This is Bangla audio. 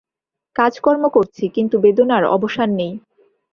কাজকর্ম করছি, কিন্তু বেদনার অবসান নেই।